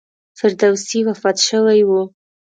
فردوسي وفات شوی و.